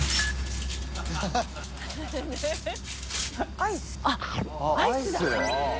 アイス？あっアイスだ。